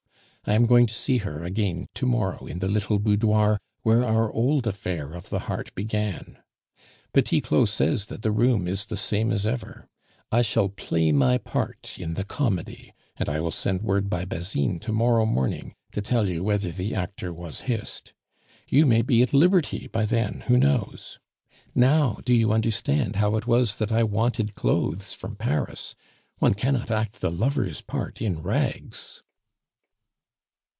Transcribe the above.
I am going to see her again to morrow in the little boudoir where our old affair of the heart began; Petit Claud says that the room is the same as ever; I shall play my part in the comedy; and I will send word by Basine to morrow morning to tell you whether the actor was hissed. You may be at liberty by then, who knows? Now do you understand how it was that I wanted clothes from Paris? One cannot act the lover's part in rags."